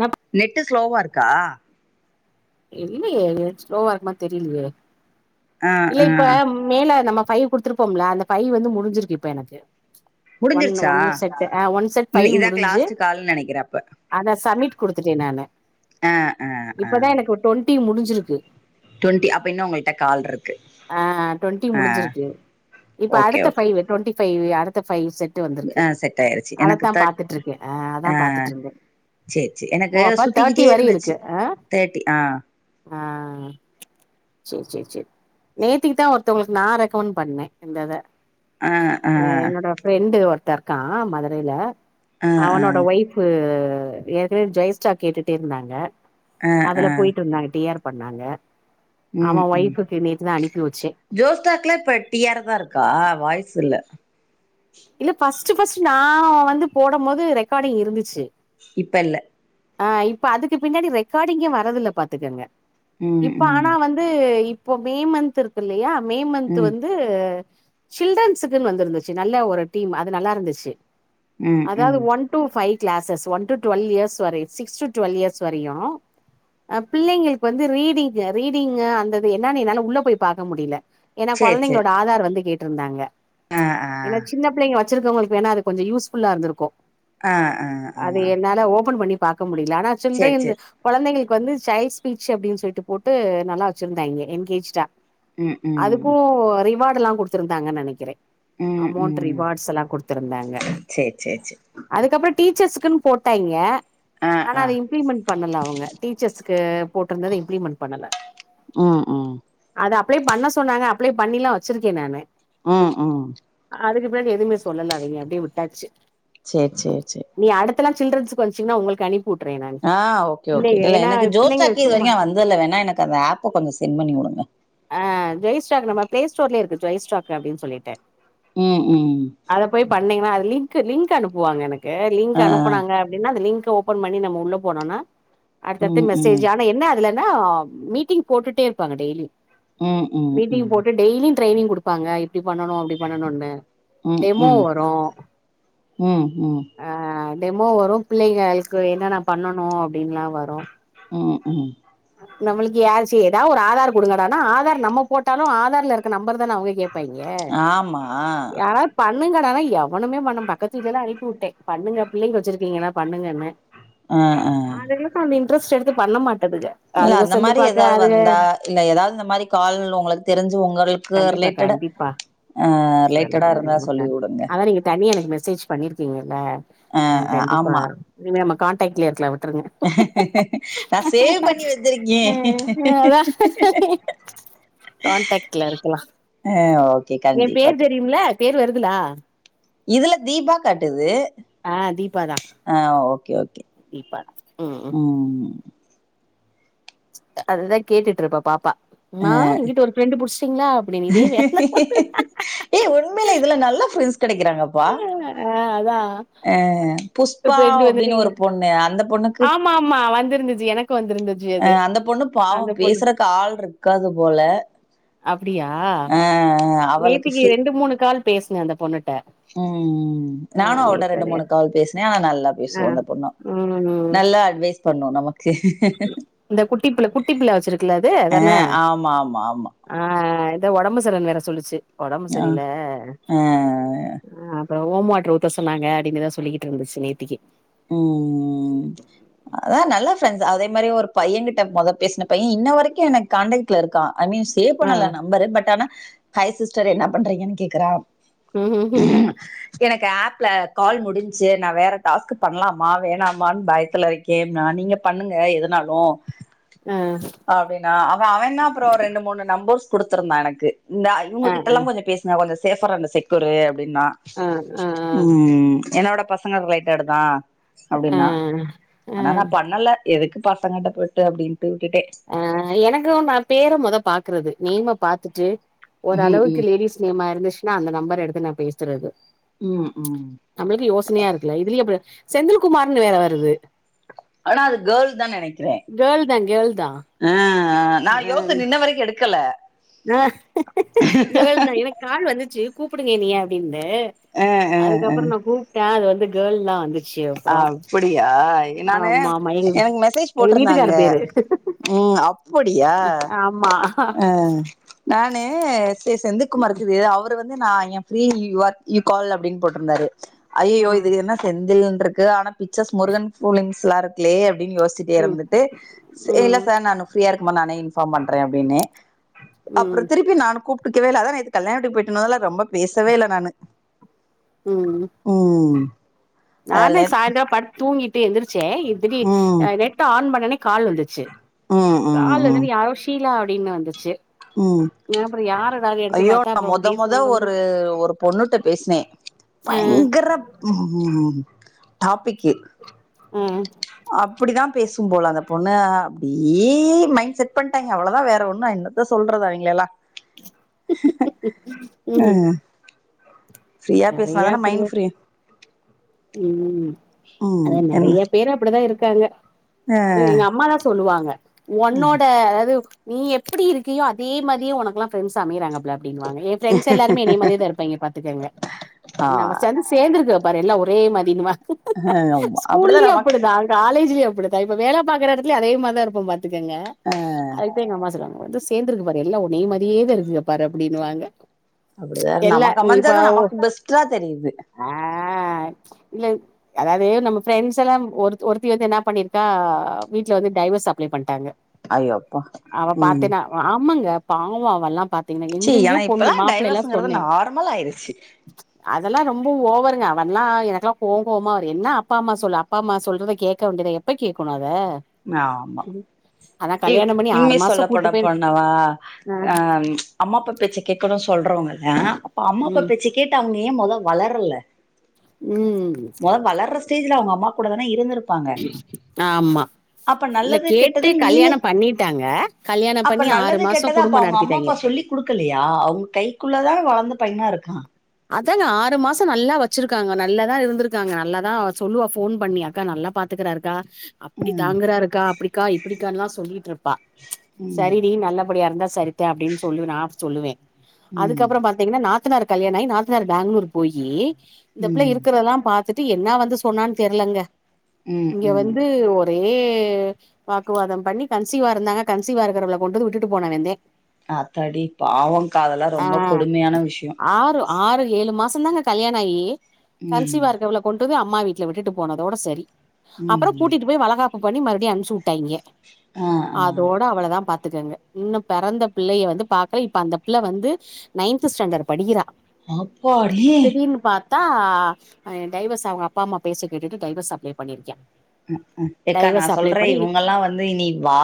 நப் net ஸ்லோவா இருக் கா இல்லயே நெட் ஸ்லோவா இருக்க மார் தெரிலயே ஆ இல்ல ஆ இப்ப மேல நம்ப ஃபைவ் குடுத்துருப்போம்ல அந்த ஃபைவ் வந்து முடிஞ்சிருக்கு இப்ப எனக்கு ஒன் முடிஞ்சிருச்சா? ஒன் செட்டு அ ஒன் செட் ஃபை ம் இதாக்கு முடுஞ்சு லாஸ்ட் கால்னு நெனைக்கிறே அப்ப. அத சமிட் குடுத்துட்டே நானு ஆ ஆ இப்பதா எனக்கு ஒரு டொன் ட்டி முடுஞ்சுருக்கு ட்வென்டி அப்ப இன்னு உங்கள்ட்ட கால்ரு ஆ ட்வெண்டி முடிஞ்சிருக்கு இப்ப ஓகே அடுத்த ஓகே. ஃபைவு ட்வெண்ட்டி ஃபைவு அ டுத்த ஃபைவ் செ ட்டு வந்துருக்கு ஆ செட் ஆயிருச்சு. எனக்கு அதத்தா தட் பாத்துட்ருக்கே ஆ அதா பாத்துட்ருந்தே சேரி சேரி எனக்கு ஓ அப்ப தேர்டி சுத்திக்கிட்டே வரை இருந்துச்சு. இருக்கு அ ஆ ஆ சேர் சேர் சேர் நேத்திக்கிதா ஒரு த்தவுங்களுக்கு நா ரெக்கமன் பண்ணே இந்தத ஆ என்னோட ஃப்ரெண்டு ஒரு த்த இருக்கா மதுரைல ஆ அவனோட ஆ ஒய்ஃபு ஏற்கனே ஜெய்ஸ்டா கேட்டுட்டே இருந்தாங்க ஆ அதுல ஆ போயிட்ருந்தாங்க டி ஆர் பண்ணாங்க அவ ஒய்ஃபுக்கு நேத்து தா அனி ஜோஸ்டாக்லா இப்ப டி ஆர் தா இருக்கா வாய்ஸ் ஸுல்ல இல்ல ஃபஸ்ட்டு ஃபஸ்ட்டு நா வந்து போடும்போது ரெக்காடிங் இருந்துச்சு இப்பல்ல ஆ இப்ப அதுக்கு பின்னாடி ரெக்காடிங்கே வரதில்ல பாத்துக்கங்க ம் இப்ப ம். ஆனா வந்து இ ப்ப மே மந்த் இருக்குல்லயா மே மன்த்து ம் வந்து சில்ட்ரன்ஸுக்குனு வந்துருந்துச்சு நல்ல ஒரு டீம் அது நல்லா இருந்துச்சு ம் அதாவது ம். One two five classes one to twelve years வரை சிக்ஸ் டு டுவெல் இயர்ஸ் வரையு ஆ பிள்ளைங்களுக்கு வந்து ரீடிங்கு ரீடிங்கு அந்த இது என்னன்னு என்னால உள்ளே போய் பாக்க முடியல ஏன்னா சேரி சேரி. கொழந்தைங்களோட ஆதார் வந்து கே ட்ருந்தாங்க ஆ ஆ ஏன்னா சின்ன பிள்ளைங்க வ ச்சிருக்கவங்களுக்கு வேண்ணா அது கொஞ்சொ யூஸ்ஃபுல்லா இருந்துருக்கு ஆ ஆ அது ஆ. என்னால ஓபன் பண்ணி பாக்க முடியல ஆனா சொல்றே சேரி இந்த சேரி. கொழந்தைங்களுக்கு வந்து சைல்டு ஸ்பீச் அப்டின்னு சொல்ட்டு போட்டு நல்லா வச்சிருந்தாய்ங்க என்கேஜ்டா ம் அதுக்கு ம் ரிவாட் எல்லா குடுத்துருந்தாங்கன்னு நெனைக்கிறே ம் அமௌண்ட் ம் ரிவார்ட்ஸ் எல்லா குடுத்திருந்தாங்க சேர் சேர் சேர் அதுக்கப்புறோ டீச்சர்ஸ் க்குன்னு போட்டாய்ங்க ஆ ஆனா ஆ அத இம்ப்ளிமெண்ட் பண்ணல அவங்க டீச்சர்ஸ் க்கு போட்ருந்தது இம்ப்ளிமெண்ட் பண்ணல ம் ம் அத அப்ளை பண்ண சொன்னாங்க அப்ளை பண்ணிலா வச்சிருக்கே நானு ம் ம் அதுக்கு பிறகு எதுமே சொல்லல அவிங்க அப்டியே விட்டாச்சு சேரி சேரி சேரி தல்லா சில்டரன்ஸ்க்கு வந்துச்சுனா உங்களுக் கு அனுப் ஆ ஓகே ஓகே இல்ல எனக்கு பிள்ளைங்க ஜோஸ்டாக்கு இது சும்மா வரையு வந்ததுல்ல வேண்ணா எனக்கு அந்த ஆப்பு கொஞ்சோ சென்ட் பண்ணி விடுங்க டாக்கு நம் பிளேஸ்டோர்லயே இருக்கு ஜொய்ஸ்டாக்கு அப்டின் சொல்லிட்டு ம் ம் ன்னீங்கன்னா அது லிங்க்கு லி்ங்க் அனுப்புவாங்க என க்கு லிங்க் ஆ அனுப்புனாங்க அப்டின்னா அது லிங்க் ஓப்பன் பண்ணி நம்ம உள்ள போனோன்னா அடுத்தடுத்து ம் ம் மெசேஜ் ஆனா என்ன அதுல ஏன்னா மீட்டிங் போட்டுட்டே இருப்பாங்க டெய்லி ம் ம் ம் மீட்டிங் போட்டு ம் டெய்லி ட்ரைனி்ங் குடுப்பாங்க இப்டி பண்ணனும் அப்படி பண்ணனும்னு டெமோ வரும் உஹம் உம் டெமோ வரும் பிள்ளைகளுக்கு என்னன்ன பண்ணனும் அப்படின்னுல்லாம் வரும் ஹம் ம் நம்மளுக்கு யாச்சு ஏதாவது ஒரு ஆதார் கொடுங்கடா ஆதார் நம்ம போட்டாலும் ஆதார்ல இருக்க நம்பர் தான் தான் அவங்க கேப்பாங்கே ஆமா யாராவது பன் பண்ணுங்கடானா எவனனுமே பண்ணம் பக்கத்து இதல்லாம் அனுப்பி விட்டேன்ண்ணுங்க பிள்ளைங்க வச்சிருக்கீங்கன்னா பண்ணுங்கன்னு ஆ ஆ அதுகளுக்கு அந்த இன்ட்ரெஸ்ட் எடுத்து பண்ண மாட்டதுக இல்ல அதுக அந்த செல்லு மாதிரி பாக்க ஏதாவது அதுக வந்தா இல்ல ஏதாவது இந்த மாதிரி கால் உங்களுக்கு தெரிஞ்சு உங்களுக்கு கண்டிப்பா ரிலேட்ட கண்டிப்பா ஆஹ் ரிலேட்டடா இருந்தா சொல்லி விடுங்க அதான் நீங்க தனியா எனக்கு மெசேஜ் பண்ணிருக்கீங்கல்ல ந கண்டிப்பா இனிமே கான் களிய இருலாம் [unintelligible] நான் சேவ்பண்ணி வச்சிருக்கேன் அதா கான்டாக்ட்ல இருக்கலா [inaudible] ஹம் ஓகே என் கண்டிப்பா பேர் தெரியும்ல பேர் வருதுலா இதுல தீபா காட்டுது ஆஹ் தீபாதான் ஆ ஓகே உம் அதுதான் கேட்டுட்டு இருப்பா பாப்பா ஆ இங்கிட்டு ஒரு ஃபிரெண்டு புடிச்சிங்களா [inaudible] ஏ உண்மையில இதுல நல்ல பிரெட் படிகிறாங்கப்பா ஆ அதா புஷ் பாஒரு ஃப்ரெண்டு அப்படின்னு ஒரு வந்துட்டீங்களா பொண்ணு அந்த பொண்ணுக்கு ஆமா ஆமா வந்திருந்துச்சு எனக்கு வந்திருந்துச்சு அ அது அந்த பொண்ணு பாவோ அந்த பொண்ணு பேசுறக்கு ஆள் இருக்காது போல அப்டியா ஆ நேத்திக்கு ரெண்டு மூணு கால் பேசுன அந்த பொண்ணுட் ம் ம் ம் நானு அவட்ட ரெண்டு நேத்தனே மூணு கால் பேசுனே ஆனா நல்லா ஆ பேசுவாங்க தொன்னா ம் நல்லா அட்வைஸ் பண்ணு நமக்கு இந்த குட்டி புள்ள வச்சிருக்குல அது அதான ஆமா ஆமா ஆமா ஆ இத ஒடம்பு சலன் வேற சொல்லிச்சி ஒடம்பு ஆ சரியில்ல ஆ அ ரோமம்வாட்டர் ஊத்த சொன்னாங்க அப்பிடின்னுதா சொல்லிக்கிட்டு இருந்துச்சி நேத்திக்கி ஃப்ரென்ஸ் அதே மாரி ஒரு பையன்கிட்ட முதல் பேசின பையன் இன்ன வரைக்கு எனக்கு காண்டக்ட்ல இருக்கா ஐ மீன் சேவ் ஆ பண்ணல நம்பரு பட் ஆனா ஹாய் சிஸ்டர் என்ன பண்றீங்கன் கேக்குறா ம் ம் ம் எனக்கு ஆப்ல கால் முடிஞ்ச்சி நா வேற டாஸ்க்கு பண்ணலாமா வேணாமான் பயத்துல இருக்கே நா நீங்க பண்ணுங்க எதனாலு ஆ அப்பிடின்னா அவன் அவனா அப்புறோ ரெண்டு மூணு நம்பர்ஸ் குடுத்துருந்தா எனக்கு நா ஆ இவுங்ககிட்டல்லா கொஞ்சோ பேசுங்க கொஞ்ச சேஃப்ரன் செக்கியூரு சே நா ஆ ஆ ஆ ம் என்னோட பசங்க ரைட்டா எடுத் ஆ ஆ அப்பிடின்னா ஆ ஆனா நா பண்ணல எதுக் பசங்கட்ட போயிட்டு அப்பிடின் அ எனக்கு நா பேர முத பாக்குறது நேம்ம பாத்துட்டு ம் ஓரளவுக்கு ம் லேடிஸ் நேம்மா இருந்ச் நா அந்த நம்பர் எடுத்து நா பேசுறது ம் ம் நம்மளுக்கு யோசனையா இருக்கல இதில் இ செந்தில்குமார்னு வேற வருது ஆனா அது கேள்தா நெனைக்கிறே கேர்ள் தா கேர்ள் தா ஆ ஆ நான் யோச்சுட்டு இன்ன வரைக்கு எடுக்கல ஆ கேள் எனக்கு கால் வந்துச்சுடி கூப்டுங்க என்னய அப்டின்னு ஆ ஆ அதுக்கப்றோ நா கூப்ட்டே அது வந்து கேள்லா வந்து அ அப்டியா நானு ஆமா ஆமா எங்க எனக்கு மெசேஜ் எங்க போட்ருந்தாங்க வீட்டுக்காரு பேரு உம் அப்புடியா ஆமா ஆ நானு செந்தந்துக்குமா இருக்குது அவரு வந்து வந்து நா என் free you are you call அப்டின்னு போட்டுருந்தாரு ஐய்யயோ இது ம் என்ன செந்திலுன் இருக்கு ஆன பிச்சர்ஸ் முருகன் போலிங்ஸ் ல்ல இருக்குக்கே [unintelligible] னு யோசுச்சிட்டே ம் இருந்துட்டு இல்ல ம் சார் நானு ஃபிரியா இருக்கு மா நானே இன்ஃபாம் பண்றே அப்டின்னே அப்றோ ம் திருப்பி நானு கூப்ப குடிக்கவே இல்ல அதா நேத்து கல்யாண போய்ட்டு வந்துல்ல ரொம்ப பேசவே இல்ல நானு ம் உம் நானே சாய்ந்தர படுத்து தூங்கிட் எந்திரிச்சி ச்சே இப்டி ம் நெட் ஆன் பண்ணோன்னே கால் வந்துச்சு ம் கால்லதுன்னு யாரோ ஷீலா அப்ப அப்டின்னு வந்துச்சு உம் அப்றோ யாருடானு எடுத்து ஐயோ பாத்தா நா அப்றோ மொத மொத பேசுனாங்கங்க ஒரு ஒரு பொண்ணுட்ட பேசுனே பயங்கர உ டாபிக்கு ம் அப்படிதான் பேசும் போல அந்த பொண்ணு அப்டியே மைண்ட் செட் பண்ட்டாங்க அவ்ளோதா வேற ஒன்னு என்னத்த சொல்றதா அவிங்கள எல்லா ஆ நெறைய அப்படிதா உ ம் அதா என்ன நெறையா பேர் அப்டிதா இருக் காங்க அது எங்க அம்மாதா சொல்லுவா ங்க உன்னோட அதாது நீ எப்படி இருக்கியோ அதே மாரியே உனக்குலா ஃப்ரெண்ஸ் அமைறாங்க பிள அப்டினுவாங்க எ ஃப்ரண்ட்ஸ்ல் எல்லாருமே என்னைமாரியேதா இருப்பாங்க பாத்துக்கங்க ஆ எ நம சந்து சேந்து [unintelligible] இருக்கு பாறெல்லா ஒரே மாதின்னு வா ஆ, ஆமா. அப்படிதான் ஸ்கூல்லயு நமக்கு அப்படிதா காலேஜ்லயு டுத்த இப்ப வேல ப பாக்ற எடத்துலயு அதே மாரிதா தா இருப்ப பா துக்கங்க அதுக்குதா எங்க அம்மா சொல்வாங்க வந்து சேந்துருக்கு பாரு எல்லா உனே மாரியேதா இருக்கு பாரு அப்டின்னுவாங்க அப்டிதா எல்லா நமக்கு நீ இப்ப அமஞ்சாதா நமக்கு பெஸ்ட்ரா தெரியுது ஆ இல்ல அதாவது நம்ம ஃபிரெண்ஸ் எல்லா ஒருத்தி வந்து என்ன பண்ணிருக்கா வீட்டுல வந்து டைவர்ஸ் அப்ளை பண்ட்டாங்க ஐயோ அப்பா அவ பாத்தேனா ஆமாங்க பாவோ அவெல்லா பாத்தீங்கன்னா ச்சி எங்கெங்கயோ ஆனா பொண்ணு இப்பல்லா மாப்பிள்ள எல்லா டைவர்ஸுங்கறது சொன்னே நார்மல் ஆயிருச்சு அதெல்லா ரொம்ப ஓவருங்க அவன்ல்லா எனக்குலா கோ கோவமா வரு என்ன அப்பா அம்மா சொல்லு அப்பா அம்மா சொல்றத கேக்க வேண்டியதா எப்ப கேக்கணு அத ஆ ஆமா ஆனா எ கல்யாணம் பண்ணி ஆறு உண்மைய மாசோ சொல்லப்போன கூட்டு போய் போனவா ஆ அம்மாப்பா பேச்ச கேக்கணும்னு சொல்றவங்க ஏ அம்மாப்ப ம் பேச்சு கேட்டு அவங்க ஏ மொதோ வளரல ம் மொதோ வளர்ற ஸ்டேஜ்ல அவங்க அம்மா கூட தான இருந்துரு உ ஆமா அப்ப இல்ல நல்லது கேட்டு கெட்டதுன்னு நீங்க கல்யாணம் பண்ணிட்டாங்க கல்யாணம் அப்ப பண்ணி ஆறு நல்லது மாசோ கெட்டத அப்ப குடும்போ அவங்க அம்மா நடத்திட்டாய்ங்க அப்பா சொல்லி கொடுக்கலையா அவங்க கைக்குள்ள தா வளர்ந் து பையனா இருக்கா அதாங்க ஆறு மாசோ நல்லா வச்சிருக்காங்க நல்லாதா இருந்திருக்காங்க நல்லா தா சொல்லுவா ஃபோன் பண்ணி அக்கா நல்லா பாத்துக்கறாருக்கா அப்டி ம் தாங்குறாருக்கா அப்டிக்கா இப்டி க்கேன்லா சொல்லிட்ருப்பா ம் சரிடி நல்லபடியா இருந்தா சரித்தா அப்டின்னு சொல்லுன் நா சொல்லுவே ம் அதுக்கப்புற பாத்தீங்கன்னா நா த்தனாருக் கல்யாண ஆயி நாத்தனாரு பேங்களூரு போயி இந்த பிள்ள ம் இருக்கிறதெல்லா பா த்துட்டு என்ன வந்து சொன்னான்னு தெர்லங்க ம் இங்க ம் வந்து ஒரே வாக்குவாதம் பண்ணி கன்சிவா இருந்தாங்க கன்சிவா இருக்கிறவள கொண்டு வந்து விட்டுட்டு போனவந்தே ஆத்தாடி பாவங்க்கா அதெல்லா ஆ ரொம்ப கொடுமையான விஷயோ ஆறு ஆறு ஏழு மாசந்தாங்க கல்யாண ஆயி கன்சிவா ம் இருக்குவள கொண்ட்டு வந்து அ ம்மா வீ்ட்ல விட்டு போனதோட சரி ம் அப்பறோ ம் கூட்டிட்டு போய் வளகாப் பு பண்ணி மறுபடி அனுப்ச்சு விட்டாய்ங்க ஆ ஆ அதோட அவ்ளதா பா த்துக்கங்க இன்னு பெறந்த பிள்ளைய வந்து பாக்கல இப்ப அந்த பிள்ள வந்து நைன்த்து ஸ்டாண்டர்டு படிக்கிறா அப்பாடி தா ஆ டைவர்ஸ் அவங்க அப்பா அம்மா பேச்ச கேட்டுட்டு டைவர்ஸ் அப்ளை பண்ணியிருக்கா ம்க்கும் யக்கா நா சொல்றே இவங்கல்லா வந்து இனி வா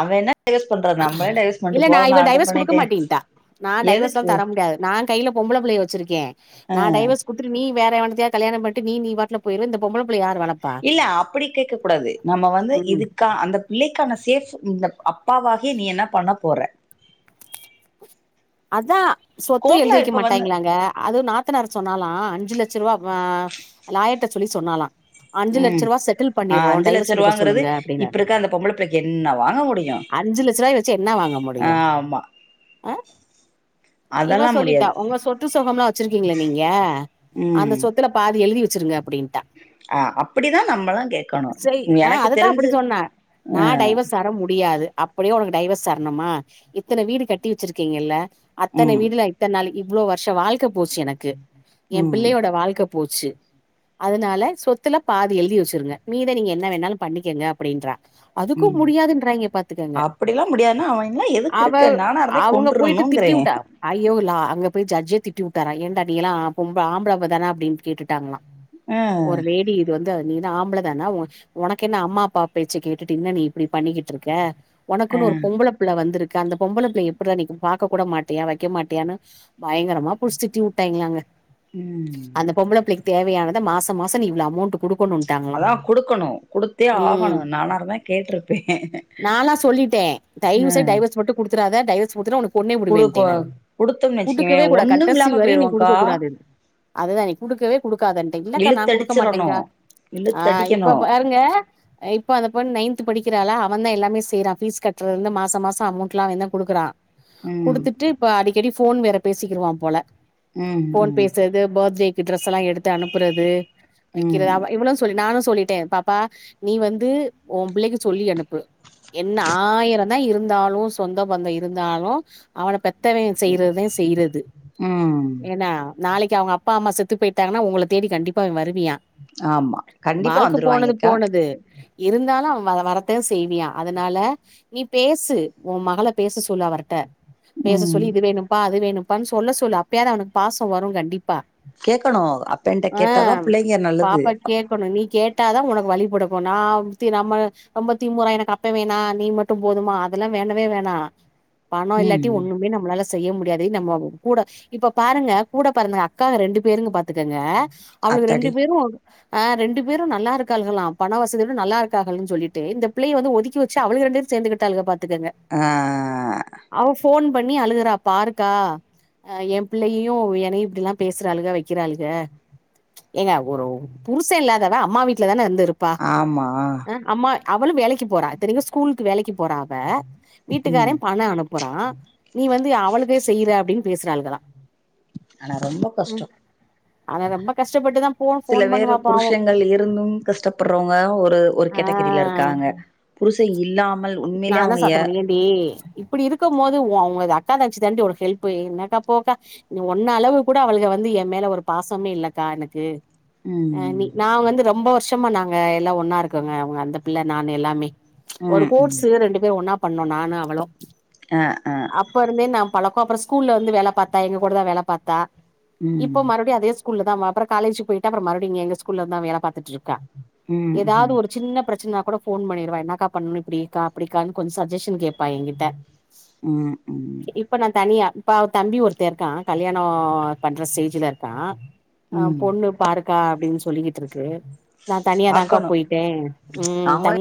அவ என்ன டைவர்ஸ் பண்றது நம்மளே டைவர்ஸ் இல்ல பண்ட்டு நா போறோ இவ இது டைவர்ஸ் குடுக்க பண்ணிட்டே மாட்டயின்ட்டா நா டைவர்ஸ் எல்லா எதுக்கு தர முடியாது நா கைல பொம்பள புள்ளைய வச்சிருக்கே நா டைவர்ஸ் குடுத்துட்டு நீ வேற எவனத்தயாது கல்யாணோ பண்ட்டு நீ நீ பாட்ல போயிருவ இந்த பொம்பள புள்ளைய யாரு வளப்பா இல்ல அப்பிடி கேக்க கூடாது நம்ம வந்து ம் இதுக்கா அந்த பிள்ளைக்கான சேஃப் இந்த அப்பாவாகி நீ என்னா பண்ண போற அதா சொத்து எழுதி கோர்ட்ல வைக்க இப்ப வந்து மாட்டாய்ங்களாங்க அது நாத்தனார் சொன்னாளா அஞ்சு லட்ச ருவா வா லாயர்ட்ட சொல்லி சொன்னாளா உம் ஆ அஞ்சு லட்ச குடுக்க ரூபாங்குறது சொல்லுங்க இப்ப அப்டின்னாரு இருக்க அந்த பொம்பள பிள்ளைக்கு என்ன வாங்க முடியு அஞ்சு லட்ச ரூவாய வச்சு என்ன வாங்க ஆ முடியு ஆமா ஆ இவ அதெல்லா சொல்லிட்டா முடியாது உங்க சொத்து சொகம்ல்லா வச்சசுருக்கீங்ள நீங்க அந்த சொத்துல பாதி எழுதி வச்சு வச்சுருங்க அப்டின்ட்டா அ அப்டிதா நம்மல்லா கேக்கணு செய் ஆ எனக்கு அதத்தா அப்டி தெரிஞ்சு சொன்னே அ அப்டியே உனக்கு டைவர்ஸ் தரணுமா இத்தன வீடு கட்டி வெச்சுருக்கீங்கல்ல அத்தன ம் வீட்ல எத்தன் நாளைக்கு இவ்ளோ வருஷோ வாழ்க போச்சு எனக்கு எ ம் பிள்ளயோட வாழ்க்க போச்சு அதனால சொத்துல பாதி எழுதி வச்சுருங்க மீத நீங்க என்ன வேணாலு பண்ணிக்கங்க அப்டின்றா அதுக்கு உம் முடியாதுன்றாய்ங்க பாத்துக்கங்க அப்டிலா முடியாதுன்னா அவன்லா எதுக்கு இருக்க நானா இருந்தே கொன்ரணும்ங்றே விட்டா ஐயோ லா அங்க போய் ஜட்ஜ் திட்டி விட்டார ஏன்டா நீ எல்லா பொம் ஆம்பள தா அப்டின்னு கேட்டுட்டாங்ளா ஆ ஒரு லேடி இது வந்து த நீ என்ன ஆம்பள தானா ஒனக்கு என்ன அம்மா அப்பா பேச்ச கேட்டுட்டு என்ன நீ இப்டி பண்ணிக்கிட்டு இருக்க ஆ ஒனக்குன்னு ஒரு பொம்பள புள்ள வந்திருக் அந்த பொம்பல பிள்ளய எப்புற நீ பாக்க போ கூட மாட்டியா வக்க மாட்டியான்னு பயங்கரமா புடிச்சு திட்டி விட்டாங்களாங்க ம் தேவயானத மாச மாச நீ இவ்ள அமௌண்ட் குடுக்கணும்ட்டாங்களா அதா குடுக்கணு குடுத்தே ம் ஆகணு நானா இருந்த கேட்ருப்பே நாலா அ குடுத்துறாதா டைவஸ் குடுத்தன உனக் குடுபோ குடுத்தோம்னு வெச்சுக்கவே கூடாது ஒன்னு கடைசி இல்லாம வரையு நீ போயிருவோக்கா குடுக்க கூடாதுன்னு அதுதா நீ குடுக்கவே குடுக்காதன்டே இல்லக்கா நா குடுக்க இழுத்தடிச்சிரணு மாட்டேக்கா ஆ இழுத்தடிக்கணு இப்ப பாருங்க இப்ப அந்த பொண்ணு நைத்து படிக்க இதல்லா அவன் தா எல்லாமே செய்யுறா ஃபீஸ் கட்டுறருந்து மாச மாச அமௌண்ட் எல்லா அவன் தா குடுக்குறா ம் குடுத்துட்டு இப்ப அடிக்கடி போ ஃபோன் வேற பேசிக்கிருவா போல ம் ஃபோன் ம் பேசுறது பேத்டே டிரெஸ் எல்லா எடுத்து அனுப்புறது வைக்கிறத ம் அவ இவ்வள சொல்லிடே நானு சொல்லிட்டே பா பா நீ வந்து உ புள்ளைக்கு சொல்லி அனுப்பு என்ன ஆயிரந்தா இருந்தாலு சொந்தோ பந்தோ இருந் தாலு அவன பெத பெத்தவே செய்றது தா செய்றது ம் ஏன்னா நாளைக்கு அவங்க அப்பா அம்மா செத்து போயிட்டாங்கனா உங்கல தேடி கண்டிப்ப அவே வருவியா ஆமா கண்டிப்பா வாழ்க போனது வந்துருவாய்ங்கக்கா போனது இருந்தாலு அவ வ வரத்தா செய்வியா அதனால நீ பேசு உ மகள பேச சொ போலாவரட்ட பேச ம் சொல்லி இது வேணும்பா அது வேணு ப்பானு சொல்ல சொல்லு அப்பயாவது அவஃஅக்கு பாசோ வரு கண்டிப் கேக்கணு அப்பன்ட்ட கேட்டாதா புள்ளைக்கு நல்லது கேட்டதா உனக்கு வலி பொறக்கு நா ஒருத்தி நம்ம [unintelligible] எனக்கு அப்ப வேணா நீ மட்டு போதுமா அதெல்லா வேணவே வேணா பணோ இல்லாட்டி ம் ஒண்ணுமே நம்மளால செய்ய முடியாது நம்ம கூட இப்ப பாருங்க கூட பெரந்த அக்காங்க ரெண்டு பேரு பாத்துக்கங்க அவளுக ரெண்டு அத்தாடி பேரு ஆ ரெண்டு பேரு நல்லார்கால்கலா பண வசதினு நல்லா இருக்காள்னு சொல்லிட்டு இந்த பிள்ளைய வந்து ஒதுக்கி வச்சு அவளுக ரெண்டு பேரு சேர்ந்துக்கிட்டாளுக பா ஆ அவ ஃபோன் பண்ணி அலுகுறா பாருகா எ பிள்ளயயு என்னயு இப்படில்லா பேசுறாளுக வைக்கிறாளுக ஏங்க ஒரு புருச இல்லாதவ அம்மா வீட்ல தானே இருந்து ருப்பா ஆமா அ அம்மா அவளு வேலக்கி போறா இத்தனைக்கு ஸ்கூலுக்கு வேலக்கி போறா அவ வீட்டுக்காரெ ம் அனுப்புறா நீ வந்து அவனுக்கே செய்யற அப்டின்னு பேசுறாளுகளா ஆனா ரொம்ப கஷ்டம் ஆனா ரொம்ப கஷ்டப்பட்டுதா போ சில ஃபோன் பேரு பண்ணுவா பாவோ புருஷங்கள் இருந்தும் கஷ்டப்படுறவங்க ஒரு ஒரு கேட்டகரியில இருக்காங்க புருச இல் நானு சத்த மணிக்கேன்டி இப்டி இருக்கும் போது உ ஒங்க அக்கா தங்கச்சி தாண்டி ஒரு ஹெல்ப்பு என்னக்கா போக்கா ஒன்ன அளவுக்கு கூட அவளுக்கு வந்து எ மேல ஒரு பாசமே இல்லக்கா எனக்கு அ ம் நீ நா வந்து ரொம்ப வருச் ஷமா நாங்க எல்லா ஒன்னா இருக்கோங்க அவங்க அந்த பிள்ள நானு எல்லாமே ஆ கோர்ஸ்ஸு ரெண்டு பேரு ஒன்னா பண்ணோ நானு அவளு ஆ ஆ அப்ப இருந்தே நா பழக்கோ அப்றோ ஸ்கூல்ல வந்து வேல பாத்தா எங்க கூட தா வேல பாத்தா ம் இப்போ மறுபடியு அதே ஸ்க கூல்ல தா பா அப்றோ காலேஜ்க்கு போய்ட்டு அப்றோ மறுபடியு எங்க ஸ்கூல தா வேல பாத் துட்ருக்கா ம் ஏதாவது ம் ஒரு சின்ன பிரச்சனனா கூட ஃபோன் பண்ணிருவா என்னக்கா பண்னனு இப்டிக்கா அப்டிக்கான்னு கொஞ்சோ சஜஷன் கேப் ப்பா எ கிட்ட ம் ம் இப்ப நா தனியா இப்ப அவ தம்பி ஒருத்தே இருக்கா கல்யாணோ பண்ற ஸ்டேஜ்ல இருக்கா ம் பொண்ணு பாருக்கா அப்டின்னு சொல்லிக்கிட்டு இருக்கு நா தனியாதாக்கா பாக்கணு போயிட்டே உ நாங்களு தனியா